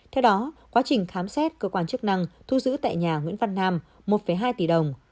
theo đó quá trình khám xét cơ quan chức năng thu giữ tại nhà nguyễn văn nam một hai tỷ đồng